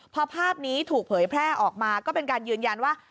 พอภาพนี้ถูกเผยแพร่ออกมาก็เป็นการยืนยันว่า